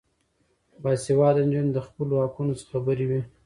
باسواده نجونې د خپلو حقونو څخه خبرې وي.